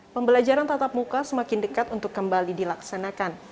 pembelajaran tatap muka semakin dekat untuk kembali dilaksanakan